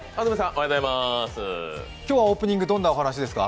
今日はオープニング、どんなお話ですか？